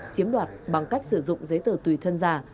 chiếm đoạt bằng cách sử dụng giấy tờ tùy thân giả